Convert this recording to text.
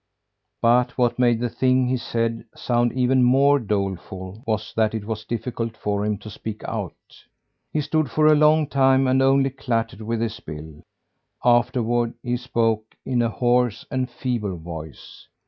But what made the thing he said sound even more doleful was that it was difficult for him to speak out. He stood for a long time and only clattered with his bill; afterward he spoke in a hoarse and feeble voice.